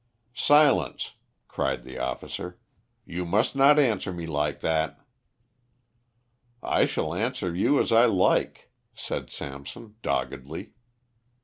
"Silence!" cried the officer. "You must not answer me like that." "I shall answer you as I like," said Samson, doggedly.